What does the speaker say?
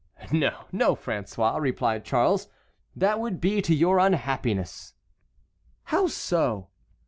"No, no, François," replied Charles; "that would be to your unhappiness." "How so?"